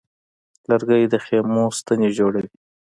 لرګی د خیمو ستنې جوړوي.